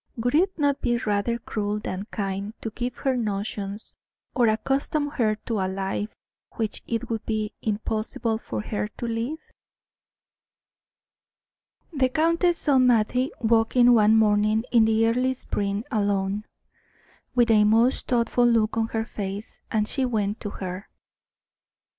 Would it not be rather cruel than kind to give her notions, or accustom her to a life which it would be impossible for her to lead? The countess saw Mattie walking one morning in the early spring alone, with a most thoughtful look on her face, and she went to her.